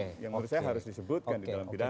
yang menurut saya harus disebutkan di dalam pidana